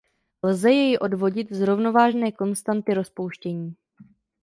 Lze jej odvodit z rovnovážné konstanty rozpouštění.